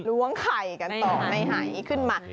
ล้วงไข่กันต่อในหายขึ้นมา